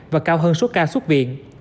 và cao hơn số ca xuất viện